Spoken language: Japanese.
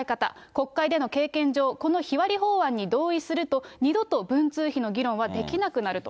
国会での経験上、この日割り法案に同意すると、二度と文通費の議論はできなくなると。